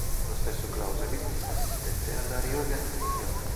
Lo stesso Clausewitz assistette alla riorganizzazione.